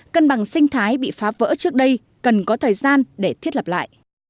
cân bằng sinh thái bị phá vỡ trước đây cần có thời gian để thiết lập lại